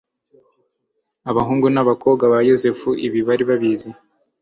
Abahungu n'abakobwa ba Yosefu ibi bari babizi,